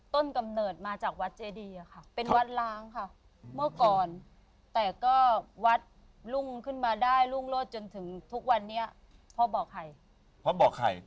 ต้นกำเนิดมาจากวัดเจดีอะค่ะเป็นวัดล้างค่ะเมื่อก่อนแต่ก็วัดรุ่งขึ้นมาได้รุ่งรวดจนถึงทุกวันนี้เพราะบ่าไข่